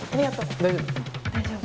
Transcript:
大丈夫。